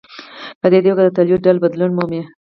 په دې توګه د تولید ډول بدلون مومي.